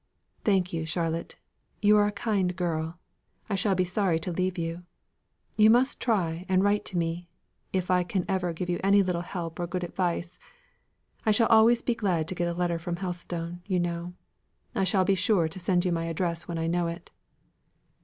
"Thank you, Charlotte. You are a kind girl. I shall be sorry to leave you. You must try and write to me, if I can ever give you any little help or good advice. I shall always be glad to get a letter from Helstone, you know. I shall be sure and send you my address when I know it."